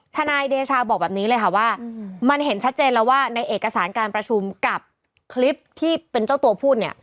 นายเดชาบอกแบบนี้เลยค่ะว่ามันเห็นชัดเจนแล้วว่าในเอกสารการประชุมกับคลิปที่เป็นเจ้าตัวพูดเนี่ย